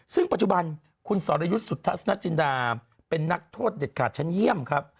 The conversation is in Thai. ซึ่งปัจจุบันคุณสรยุทธ์สุทัศนจินดาเป็นนักโทษเด็ดขาดชั้นเยี่ยมครับ